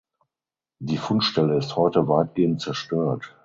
Die Fundstelle ist heute weitgehend zerstört.